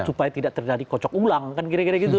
supaya tidak terjadi kocok ulang kan kira kira gitu